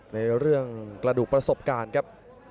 ในเรื่องกระดูกประสบการณ์ครับ